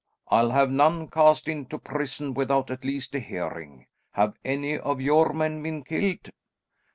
I'll have none cast into prison without at least a hearing. Have any of your men been killed?"